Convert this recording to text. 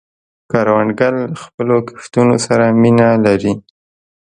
کروندګر له خپلو کښتونو سره مینه لري